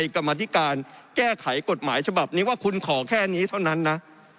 กรรมธิการแก้ไขกฎหมายฉบับนี้ว่าคุณขอแค่นี้เท่านั้นนะ